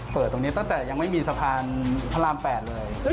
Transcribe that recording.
ตรงนี้ตั้งแต่ยังไม่มีสะพานพระราม๘เลย